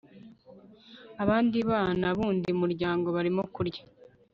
abandi bana bundi muryango barimo kurya